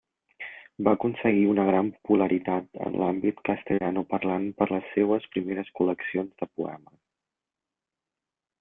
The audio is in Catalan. Va aconseguir una gran popularitat en l'àmbit castellanoparlant per les seues primeres col·leccions de poemes.